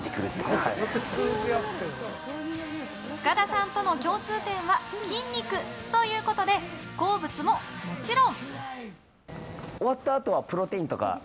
塚田さんとの共通点は筋肉ということで好物も、もちろん。